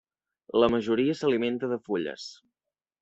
La majoria s'alimenta de fulles.